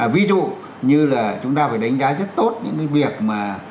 ví dụ như là chúng ta phải đánh giá rất tốt những cái việc mà